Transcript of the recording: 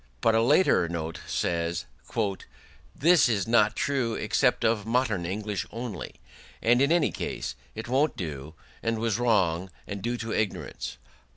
But a later note says: "This is not true except of Modern English only. And, in any case, it won't do, and was wrong and due to ignorance.